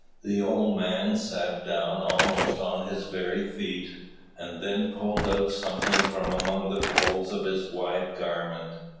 The old man sat down almost on his very feet, and then pulled out something from among the folds of his wide garment.